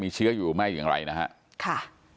มีเชื้ออยู่ไม่อย่างไรนะฮะค่ะ